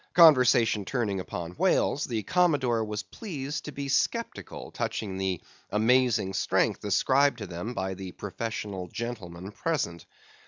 Conversation turning upon whales, the Commodore was pleased to be sceptical touching the amazing strength ascribed to them by the professional gentlemen present.